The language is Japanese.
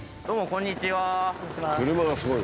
こんにちは。